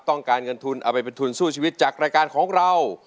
ต้องการเงินทุนเอาไปเป็นทุนสู้ชีวิตจากรายการของเรา